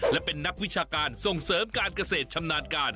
และเป็นนักวิชาการส่งเสริมการเกษตรชำนาญการ